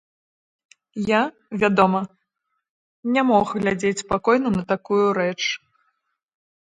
Я, вядома, не мог глядзець спакойна на такую рэч.